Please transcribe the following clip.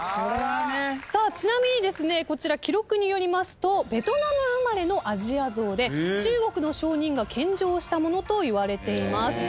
ちなみにですねこちら記録によりますとベトナム生まれのアジアゾウで中国の商人が献上したものといわれています。